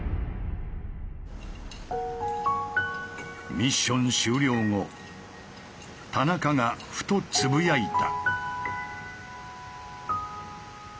ミッション終了後田中がふとつぶやいた。